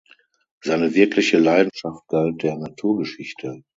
Seine wirkliche Leidenschaft galt der Naturgeschichte.